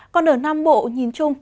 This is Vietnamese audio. còn ở nam bộ nhìn chung